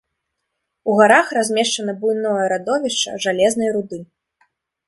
У гарах размешчана буйное радовішча жалезнай руды.